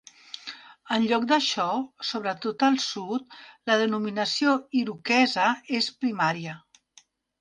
En lloc d'això, sobretot al Sud, la denominació 'iroquesa' és primària.